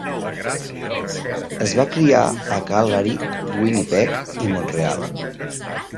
Es va criar a Calgary, Winnipeg, i Mont-real.